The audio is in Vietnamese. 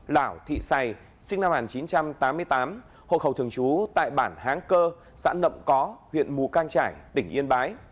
lão thị sày sinh năm một nghìn chín trăm tám mươi tám hộ khẩu thường trú tại bản háng cơ xã nậm có huyện mù cang trải tỉnh yên bái